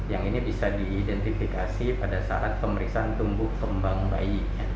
yang ini bisa diidentifikasi pada saat pemeriksaan tumbuh kembang bayi